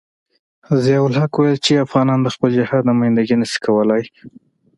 ضیاء الحق ویل چې افغانان د خپل جهاد نمايندګي نشي کولای.